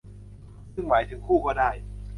ซึ่งหมายถึงคู่ก็ได้